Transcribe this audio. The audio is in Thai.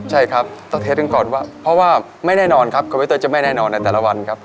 ใช่ครับต้องเทสกันก่อนว่าเพราะว่าไม่แน่นอนครับคอมพิวเตอร์จะไม่แน่นอนในแต่ละวันครับ